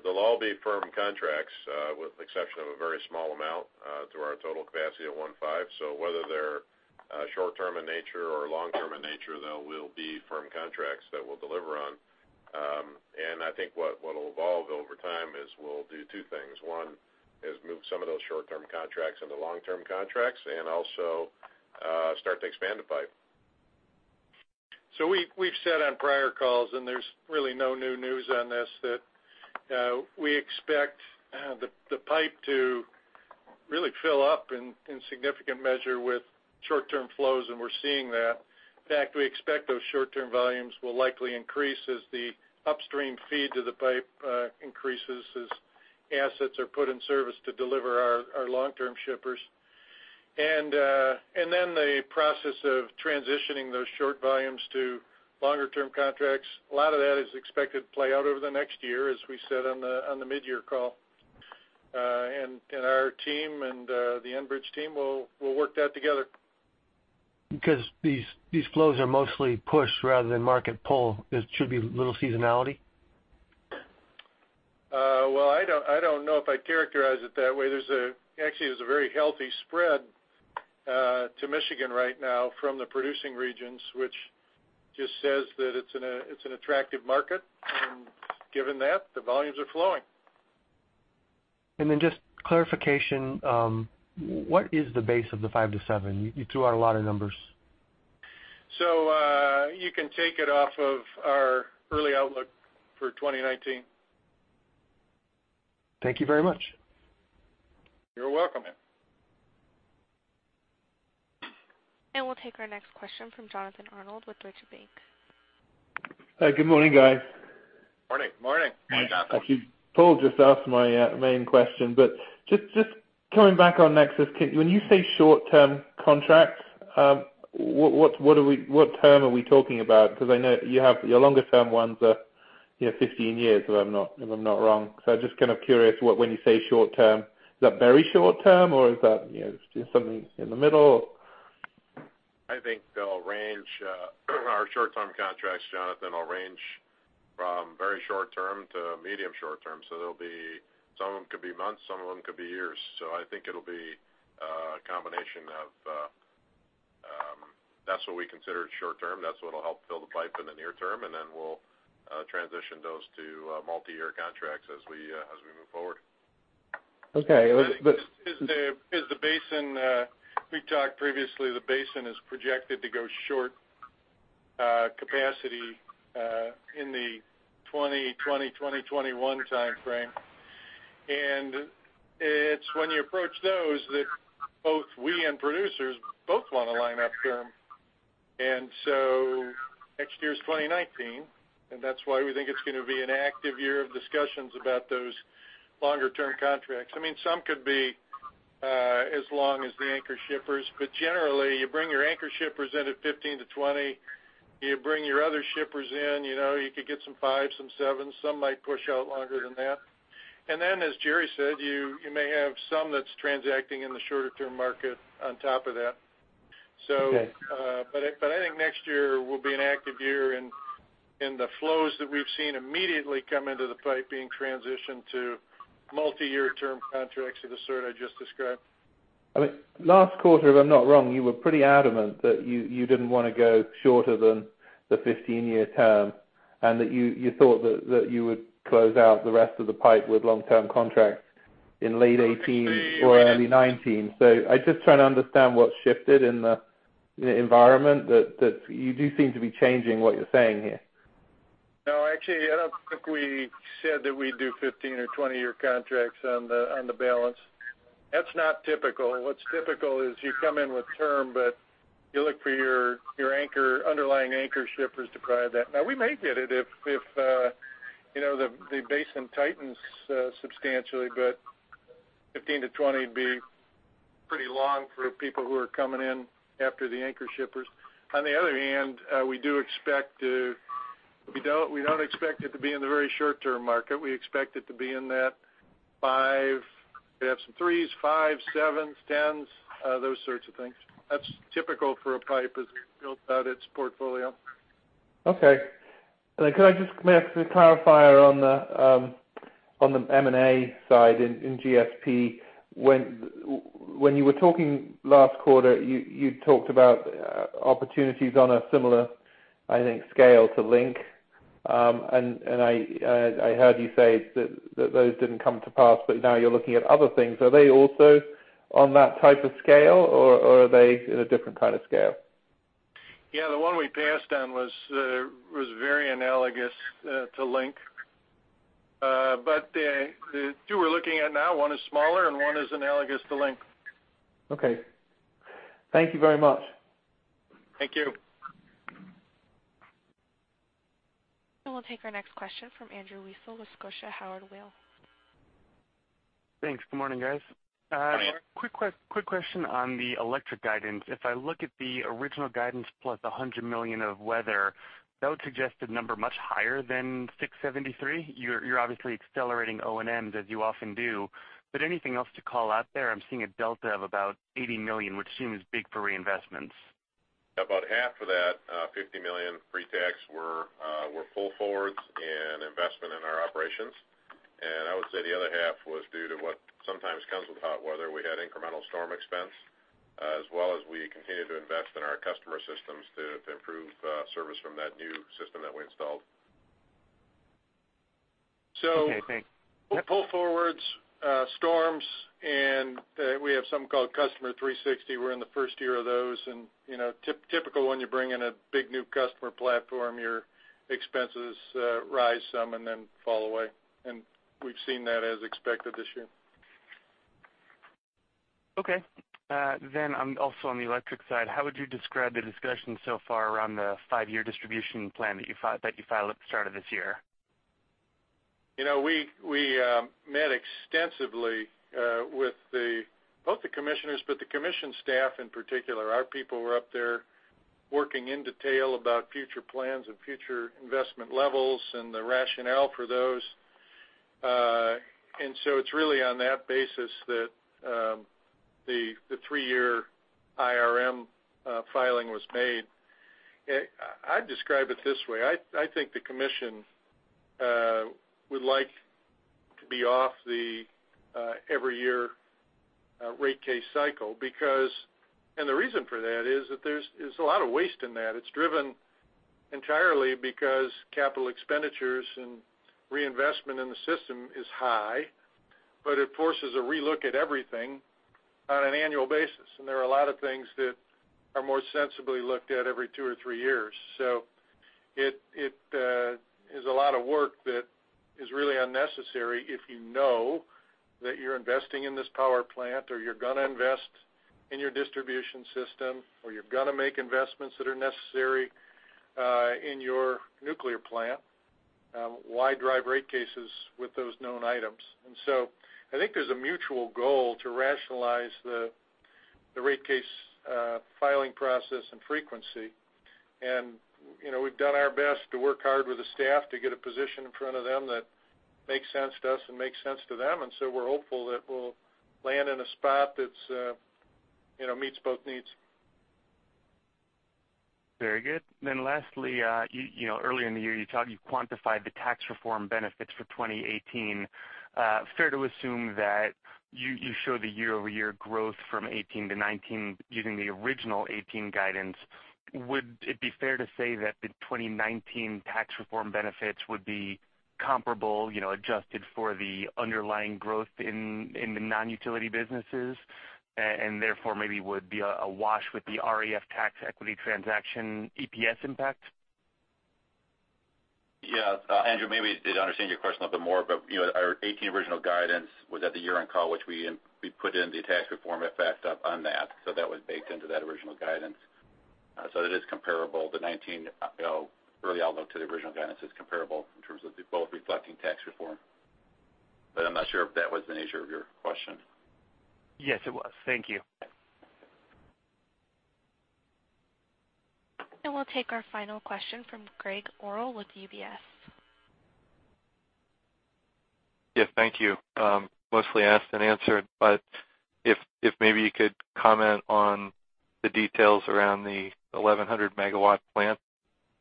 they'll all be firm contracts, with exception of a very small amount, to our total capacity of 1.5. Whether they're short-term in nature or long-term in nature, they will be firm contracts that we'll deliver on. I think what will evolve over time is we'll do two things. One is move some of those short-term contracts into long-term contracts and also start to expand the pipe. We've said on prior calls, and there's really no new news on this, that we expect the pipe to really fill up in significant measure with short-term flows, and we're seeing that. In fact, we expect those short-term volumes will likely increase as the upstream feed to the pipe increases as assets are put in service to deliver our long-term shippers. The process of transitioning those short volumes to longer-term contracts, a lot of that is expected to play out over the next year, as we said on the mid-year call. And our team and the Enbridge team will work that together. These flows are mostly push rather than market pull. There should be little seasonality? Well, I don't know if I'd characterize it that way. Actually, there's a very healthy spread to Michigan right now from the producing regions, which just says that it's an attractive market, and given that, the volumes are flowing. Just clarification, what is the base of the five to seven? You threw out a lot of numbers. You can take it off of our early outlook for 2019. Thank you very much. You're welcome. We'll take our next question from Jonathan Arnold with Deutsche Bank. Hi, good morning, guys. Morning. Morning. Morning, Jonathan. Actually, Paul just asked my main question, just coming back on NEXUS, when you say short-term contracts, what term are we talking about? Because I know you have your longer-term ones are 15 years, if I'm not wrong. I'm just kind of curious when you say short-term, is that very short-term, or is that something in the middle? I think our short-term contracts, Jonathan, will range from very short-term to medium short-term. Some of them could be months, some of them could be years. I think it'll be a combination of That's what we consider short-term. That's what'll help fill the pipe in the near term, and then we'll transition those to multi-year contracts as we move forward. Okay. As the basin, we talked previously, the basin is projected to go short capacity in the 2020, 2021 timeframe. It's when you approach those that both we and producers both want to line up term. Next year is 2019, and that's why we think it's going to be an active year of discussions about those longer-term contracts. Some could be as long as the anchor shippers, but generally, you bring your anchor shippers in at 15-20. You bring your other shippers in. You could get some fives, some sevens, some might push out longer than that. Then, as Gerry said, you may have some that's transacting in the shorter-term market on top of that. Okay. I think next year will be an active year in the flows that we've seen immediately come into the pipe being transitioned to multi-year term contracts of the sort I just described. Last quarter, if I'm not wrong, you were pretty adamant that you didn't want to go shorter than the 15-year term, and that you thought that you would close out the rest of the pipe with long-term contracts in late 2018 or early 2019. I'm just trying to understand what's shifted in the environment that you do seem to be changing what you're saying here. No, actually, I don't think we said that we'd do 15- or 20-year contracts on the balance. That's not typical. What's typical is you come in with term, but you look for your underlying anchor shippers to provide that. We may get it if the basin tightens substantially, but 15-20 would be pretty long for people who are coming in after the anchor shippers. On the other hand, we don't expect it to be in the very short-term market. We expect it to be in that five, we have some threes, fives, sevens, 10s, those sorts of things. That's typical for a pipe as it builds out its portfolio. Okay. Then could I just may I clarify on the M&A side in GSP. When you were talking last quarter, you talked about opportunities on a similar, I think, scale to Link. I heard you say that those didn't come to pass, now you're looking at other things. Are they also on that type of scale, or are they in a different kind of scale? Yeah, the one we passed on was very analogous to Link. The two we're looking at now, one is smaller, one is analogous to Link. Okay. Thank you very much. Thank you. We'll take our next question from Andrew Weisel with Scotiabank Howard Weil. Thanks. Good morning, guys. Morning. Quick question on the electric guidance. I look at the original guidance plus $100 million of weather, that would suggest a number much higher than $673. You're obviously accelerating O&Ms as you often do, anything else to call out there? I'm seeing a delta of about $80 million, which seems big for reinvestments. About half of that, $50 million pre-tax, were pull forwards and investment in our operations. I would say the other half was due to what sometimes comes with hot weather. We had incremental storm expense, as well as we continued to invest in our customer systems to improve service from that new system that we installed. Okay, thanks. Pull forwards, storms, we have something called Customer 360. We're in the first year of those, typical when you bring in a big new customer platform, your expenses rise some and then fall away. We've seen that as expected this year. Okay. Also on the electric side, how would you describe the discussion so far around the five-year distribution plan that you filed at the start of this year? We met extensively with both the commissioners, the commission staff in particular. Our people were up there working in detail about future plans and future investment levels and the rationale for those. So it's really on that basis that the three-year IRM filing was made. I'd describe it this way. I think the commission would like to be off the every year rate case cycle because, and the reason for that is, that there's a lot of waste in that. It's driven entirely because capital expenditures and reinvestment in the system is high, but it forces a relook at everything on an annual basis. There are a lot of things that are more sensibly looked at every two or three years. It is a lot of work that is really unnecessary if you know that you're investing in this power plant or you're going to invest in your distribution system, or you're going to make investments that are necessary in your nuclear plant. Why drive rate cases with those known items? I think there's a mutual goal to rationalize the rate case filing process and frequency. We've done our best to work hard with the staff to get a position in front of them that makes sense to us and makes sense to them. We're hopeful that we'll land in a spot that meets both needs. Very good. Lastly, early in the year, you quantified the tax reform benefits for 2018. Fair to assume that you show the year-over-year growth from 2018 to 2019 using the original 2018 guidance. Would it be fair to say that the 2019 tax reform benefits would be comparable, adjusted for the underlying growth in the non-utility businesses and therefore maybe would be a wash with the REF tax equity transaction EPS impact? Yes. Andrew, maybe to understand your question a bit more, our 2018 original guidance was at the year-end call, which we put in the tax reform effect on that. That was baked into that original guidance. It is comparable. The 2019 early outlook to the original guidance is comparable in terms of both reflecting tax reform. I'm not sure if that was the nature of your question. Yes, it was. Thank you. We'll take our final question from Greg Orrill with UBS. Yeah, thank you. Mostly asked and answered, if maybe you could comment on the details around the 1,100-megawatt plant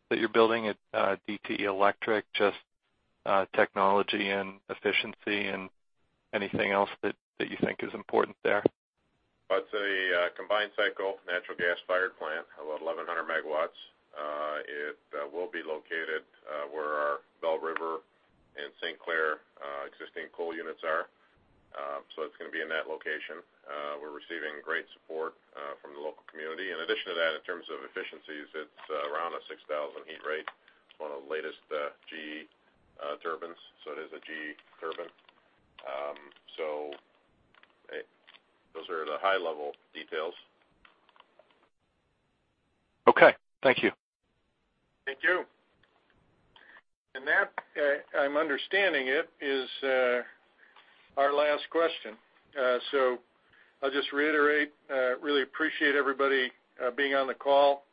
that you're building at DTE Electric, just technology and efficiency and anything else that you think is important there. It's a combined cycle natural gas-fired plant, about 1,100 megawatts. It will be located where our Belle River and St. Clair existing coal units are. It's going to be in that location. We're receiving great support from the local community. In addition to that, in terms of efficiencies, it's around a 6,000 heat rate. It's one of the latest GE turbines, it is a GE turbine. Those are the high-level details. Okay. Thank you. Thank you. That, I'm understanding it, is our last question. I'll just reiterate, really appreciate everybody being on the call.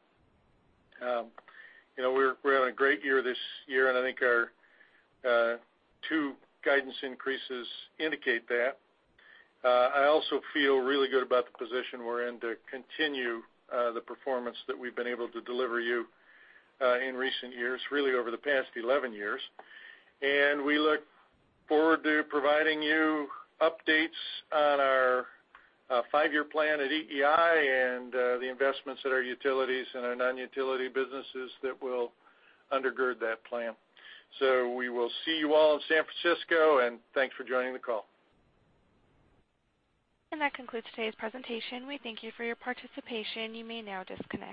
We're having a great year this year, and I think our two guidance increases indicate that. I also feel really good about the position we're in to continue the performance that we've been able to deliver you in recent years, really over the past 11 years. We look forward to providing you updates on our five-year plan at EEI and the investments at our utilities and our non-utility businesses that will undergird that plan. We will see you all in San Francisco, and thanks for joining the call. That concludes today's presentation. We thank you for your participation. You may now disconnect.